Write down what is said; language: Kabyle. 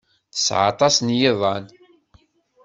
Tesɛa aṭas n yiḍan.